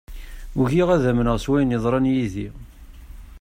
Ugiɣ ad amneɣ s wayen yeḍran yid-i.